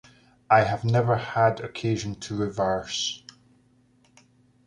I have never had occasion to reverse